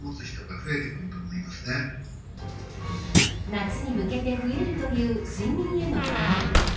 夏に向けて増えるという睡眠への不満。